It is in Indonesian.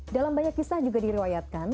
dalam banyak kisah juga diriwayatkan